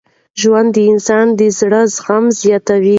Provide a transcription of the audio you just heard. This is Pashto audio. ژوند د انسان د زړه زغم زیاتوي.